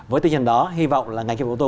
với tư nhân đó hy vọng là ngành công nghiệp ô tô